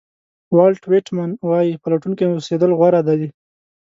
والټ وېټمن وایي پلټونکی اوسېدل غوره دي.